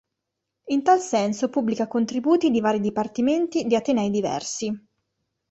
In tal senso pubblica contributi di vari dipartimenti di atenei diversi.